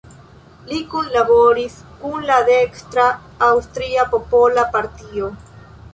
Li kunlaboris kun la dekstra Aŭstria Popola Partio.